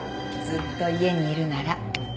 ずっと家にいるなら